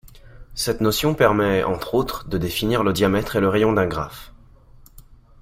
Cette notion permet entre autres de définir le diamètre et le rayon d'un graphe.